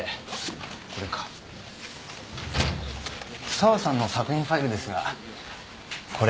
沢さんの作品ファイルですがこれ。